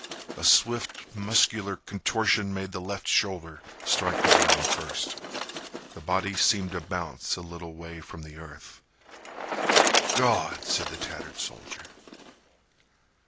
A swift muscular contortion made the left shoulder strike the ground first. The body seemed to bounce a little way from the earth. "God!" said the tattered soldier.